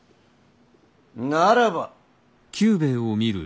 ならば。